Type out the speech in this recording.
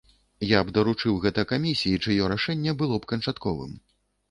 Я б даручыў гэта камісіі, чыё рашэнне было б канчатковым.